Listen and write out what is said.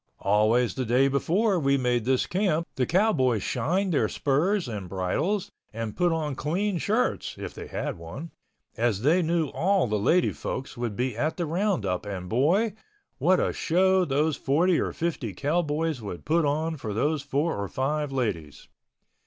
Always the day before we made this camp the cowboys shined their spurs and bridles and put on clean shirts (if they had one) as they knew all the lady folks would be at the roundup and boy, what a show those forty or fifty cowboys would put on for those four or five ladies.